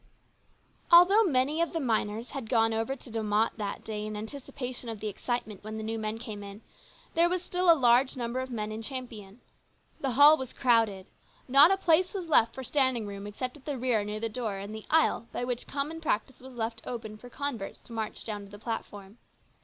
Although many of the miners had gone over to De Mofct that day in anticipation of the excitement when the new men came in, there was still a large number of men in Champion. The hall was crowded. Not a place was left for standing room except at the rear near the door and the aisle which by common practice was left open for converts to march down to the platform.